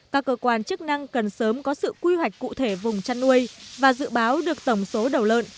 các cơ quan chức năng cần sớm có sự quy hoạch cụ thể vùng chăn nuôi và dự báo được tổng số đầu lợn